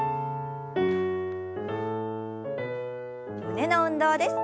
胸の運動です。